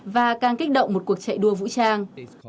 và càng kích động một cuộc chạy đua vũ trang